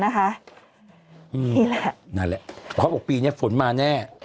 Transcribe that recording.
นี่แหละนั่นแหละเขาบอกปีนี้ฝนมาแน่